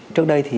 trước đây thì